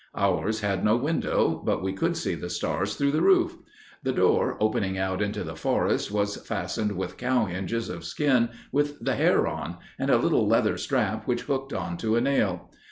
Ours had no window, but we could see the stars through the roof. The door, opening out into the forest, was fastened with cow hinges of skin with the hair on, and a little leather strap which hooked on to a nail.